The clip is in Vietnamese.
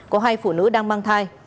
có hai phụ nữ đang mất